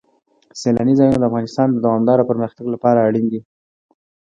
سیلانی ځایونه د افغانستان د دوامداره پرمختګ لپاره اړین دي.